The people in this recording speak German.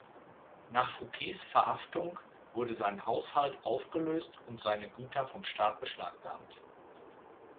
Nach Fouquets Verhaftung wurde sein Haushalt aufgelöst und seine Güter vom Staat beschlagnahmt.